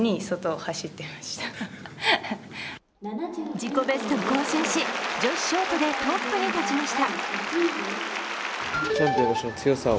自己ベストを更新し女子ショートでトップに立ちました。